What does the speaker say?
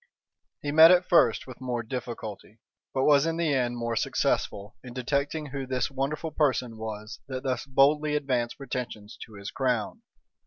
He met at first with more difficulty, but was in the end more successful, in detecting who this wonderful person was that thus boldly advanced pretensions to his crown.